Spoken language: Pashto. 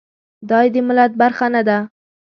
دای د ملت برخه نه ده.